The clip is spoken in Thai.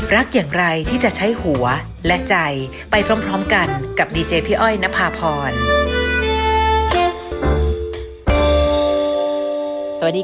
รักอย่างไรที่จะใช้หัวและใจไปพร้อมกันกับดีเจพี่อ้อยนภาพร